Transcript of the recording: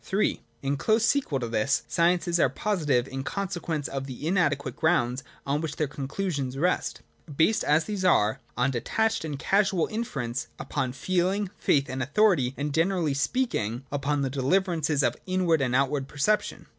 (Ill) In close sequel to this, sciences are positive in consequence of the inadequate grounds on which their conclusions rest : based as these are on detached and casual infer ence, upon feeling, faith, and authority, and, generally speaking, upon the deliverances of inward and outward perception.